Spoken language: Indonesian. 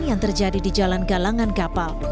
yang terjadi di jalan galangan kapal